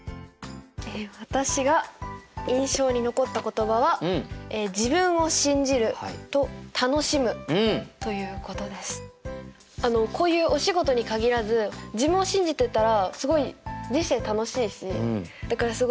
私が印象に残った言葉はこういうお仕事に限らず自分を信じてたらすごい人生楽しいしだからすごい印象に残りましたね。